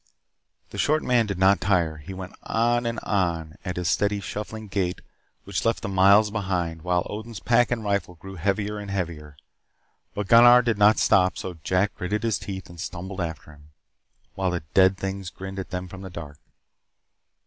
The short man did not tire. He went on and on at his steady shuffling gait which left the miles behind, while Odin's pack and rifle grew heavier and heavier. But Gunnar did not stop. So Jack gritted his teeth and stumbled after him, while the dead things grinned at them from the dark.